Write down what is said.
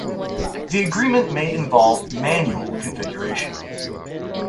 The agreement may involve manual configuration.